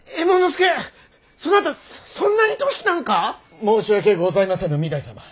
申し訳ござりませぬ御台様！